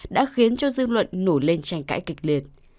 đã khiến cho dương luận nổ lên tranh cãi kịch liệt